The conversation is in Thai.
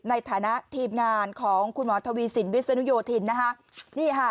ในฐานะทีมงานของคุณหมอทวีสินวิศนุโยธินนะคะนี่ค่ะ